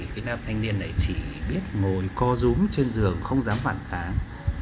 cái nam thanh niên này chỉ biết ngồi co rúm trên giường không dám phản kháng